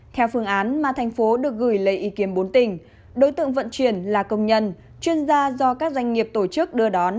theo phương án mà thành phố được gửi lấy ý kiến bốn tỉnh đối tượng vận chuyển là công nhân chuyên gia do các doanh nghiệp tổ chức đưa đón